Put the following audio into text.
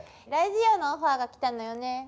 ラジオのオファーが来たのよね。